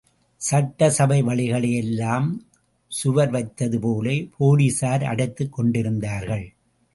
சட்டசபை வழிகளை எல்லாம் சுவர் வைத்ததுபோல போலீசார் அடைத்துக் கொண்டிருந்தார்கள்.